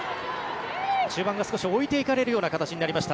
中盤が少し置いて行かれるような形になりました